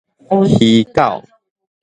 魚狗